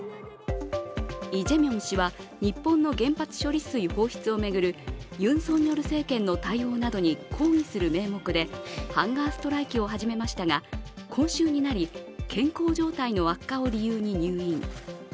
イ・ジェミョン氏は日本の原発処理水放出を巡るユン・ソンニョル政権の対応などに抗議する名目でハンガーストライキを始めましたが今週になり健康状態の悪化を理由に入院。